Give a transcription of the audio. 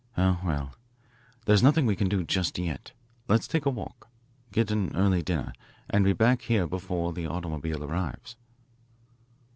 Oh, well, there is nothing we can do just yet. Let's take a walk, get an early dinner, and be back here before the automobile arrives."